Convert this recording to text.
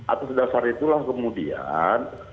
atas dasar itulah kemudian